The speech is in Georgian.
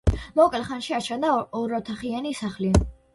მოკლე ხანში აშენდა ოროთახიანი სახლი.